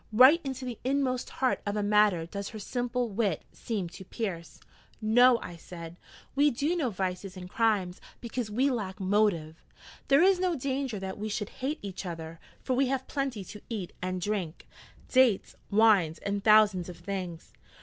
Right into the inmost heart of a matter does her simple wit seem to pierce! 'No,' I said, 'we do no vices and crimes, because we lack motive. There is no danger that we should hate each other, for we have plenty to eat and drink, dates, wines, and thousands of things.